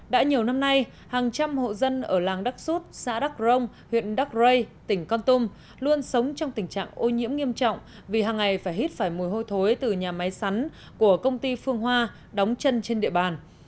đã nhiều năm nay hàng trăm hộ dân ở làng đắc sút xã đắc rông huyện đắc rây tỉnh con tum luôn sống trong tình trạng ô nhiễm nghiêm trọng vì hàng ngày phải hít phải mùi hôi thối từ nhà máy sắn của công ty phương hoa đóng chân trên địa bàn